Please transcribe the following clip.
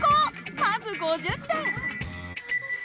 まず５０点。